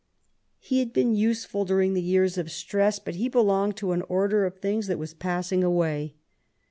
He had been useful during the years of stress, but he belonged to an order of things that was passing away.